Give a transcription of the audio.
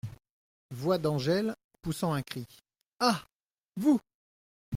Voix d’Angèle , poussant un cri. — Ah ! vous !…